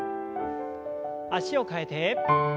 脚を替えて。